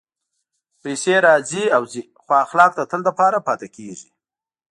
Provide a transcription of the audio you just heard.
پېسې راځي او ځي، خو اخلاق د تل لپاره پاتې کېږي.